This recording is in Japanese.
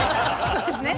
そうですね。